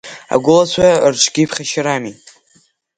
Агәылацәа рҿгьы иԥхашьарами…